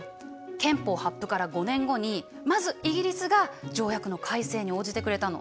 憲法発布から５年後にまずイギリスが条約の改正に応じてくれたの。